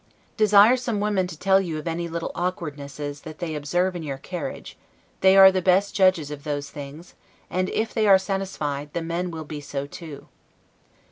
Desire some women to tell you of any little awkwardness that they observe in your carriage; they are the best judges of those things; and if they are satisfied, the men will be so too.